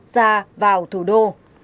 ra vào thủ đô